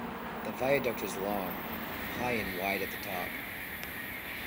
The viaduct is long, high and wide at the top.